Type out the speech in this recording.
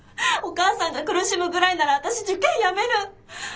お母さんが苦しむぐらいなら私受験やめる。